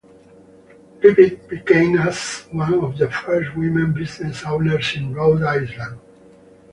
Lippitt became as one of the first women business owners in Rhode Island.